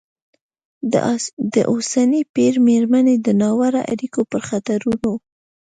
د اوسني پېر مېرمنې د ناوړه اړیکو پر خطرونو